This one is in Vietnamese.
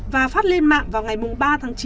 và phát lên mạng vào ngày ba tháng chín